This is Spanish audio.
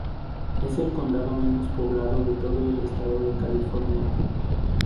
Es el condado menos poblado de todo el estado de California.